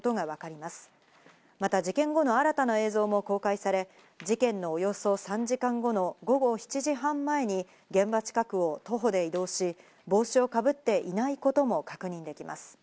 また、事件後の新たな映像も公開され、事件のおよそ３時間後の午後７時半前に、現場近くを徒歩で移動し、帽子をかぶっていないことも確認できます。